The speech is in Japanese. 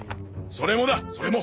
それもだそれも。